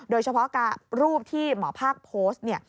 โดยเฉพาะรูปที่หมอภาคโพสต์